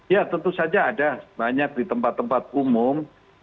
ya tentu saja ada banyak di tempat tempat umum